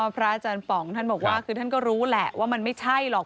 พระอาจารย์ป๋องท่านบอกว่าคือท่านก็รู้แหละว่ามันไม่ใช่หรอก